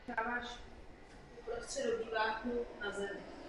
Slouží jako přechodová část mezi moduly.